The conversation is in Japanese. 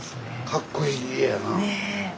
かっこいい家やな。ね。